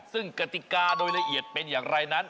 ซึ่งกติกาโดยละเอียดเป็นอย่างไรนั้น